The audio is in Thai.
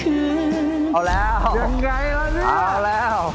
เอาแล้วเอาแล้ว